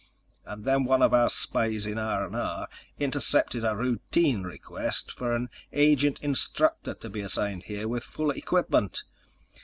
And then one of our spies in R&R intercepted a routine request for an agent instructor to be assigned here with full equipment.